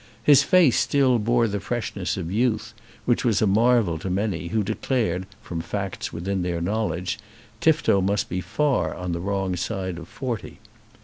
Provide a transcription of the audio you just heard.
His face still bore the freshness of youth, which was a marvel to many, who declared that, from facts within their knowledge, Tifto must be far on the wrong side of forty.